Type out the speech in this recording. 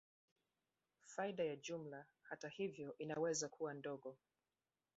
Faida ya jumla, hata hivyo, inaweza kuwa ndogo.